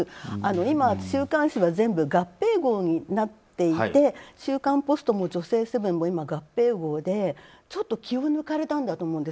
今、週刊誌は全部合併号になっていて「週刊ポスト」も「女性セブン」も今、合併号でちょっと気を抜かれたんだと思うんです。